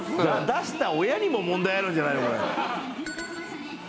出した親にも問題あるんじゃないの？